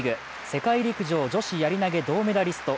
世界陸上女子やり投銅メダリスト